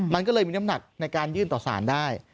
มันก็เลยมีน้ำหนักในการยื่นต่อสารได้